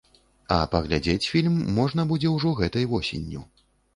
А паглядзець фільм можна будзе ўжо гэтай восенню.